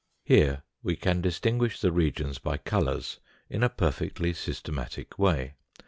Here we can distinguish the regions by colours in a per fectly systematic way.